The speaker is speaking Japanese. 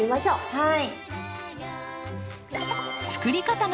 はい。